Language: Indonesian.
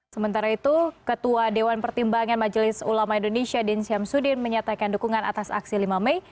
sementara itu ketua dewan pertimbangan majelis ulama indonesia din syamsuddin menyatakan dukungan atas aksi lima mei